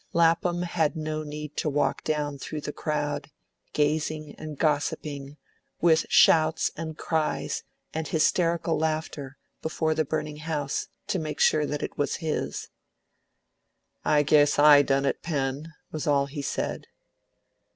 Lapham had no need to walk down through the crowd, gazing and gossiping, with shouts and cries and hysterical laughter, before the burning house, to make sure that it was his. "I guess I done it, Pen," was all he said.